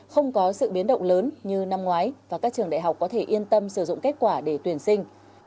động lớn như năm ngoái và các trường đại học có thể yên tâm sử dụng kết quả để tuyển sinh